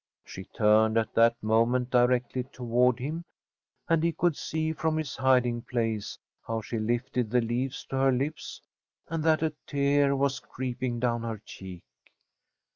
She turned at that moment directly toward him, and he could see from his hiding place how she lifted the leaves to her lips, and that a tear was creeping down her cheek.